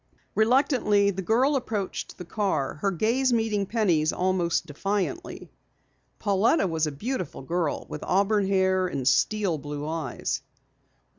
Reluctantly the girl approached the car, her gaze meeting Penny's almost defiantly. Pauletta was a beautiful girl with auburn hair and steel blue eyes.